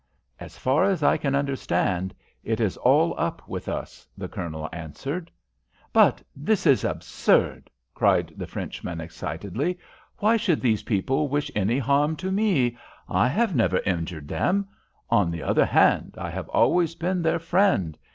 "As far as I can understand, it is all up with us," the Colonel answered. "But this is absurd," cried the Frenchman, excitedly; "why should these people wish any harm to me? I have never injured them. On the other hand, I have always been their friend.